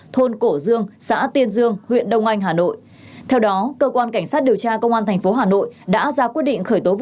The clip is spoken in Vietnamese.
thôn cổ dương xã tiên dương huyện đông anh hà nội